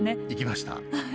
いきました。